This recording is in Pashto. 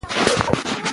مغز اوس ښه ښکاري.